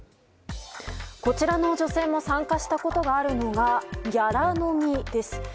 こちらの女性も参加したことがあるのがギャラ飲みです。